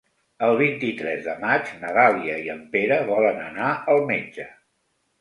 El vint-i-tres de maig na Dàlia i en Pere volen anar al metge.